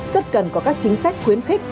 rất cần có các chính sách quyết định